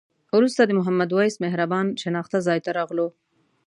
وروسته د محمد وېس مهربان شناخته ځای ته راغلو.